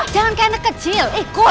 jangan kayak anak kecil ikut